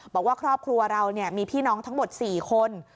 บอกว่าครอบครัวเรามีพี่น้องทั้งหมด๔คน